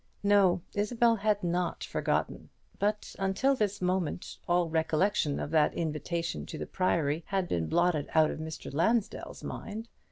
No, Isabel had not forgotten; but until this moment all recollection of that invitation to the Priory had been blotted out of Mr. Lansdell's mind.